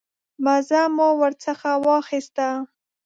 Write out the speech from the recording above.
مزه مو ورڅخه واخیسته.